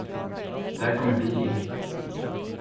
Där kommer vi in.